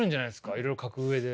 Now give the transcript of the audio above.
いろいろ描く上で。